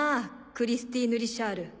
クリスティーヌ・リシャール。